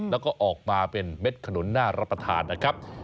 แล้วก็ออกมาเป็นเม็ดขนุนน่ารับประทานนะครับ